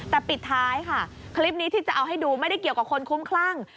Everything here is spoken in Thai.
แต่ปิดท้ายค่ะคลิปนี้ที่จะเอาให้ดูไม่ได้เกี่ยวกับคนคุ้มคลั่ง